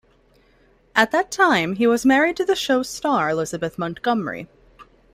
At that time, he was married to the show's star Elizabeth Montgomery.